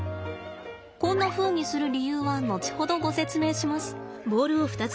こんなふうにする理由は後ほどご説明します。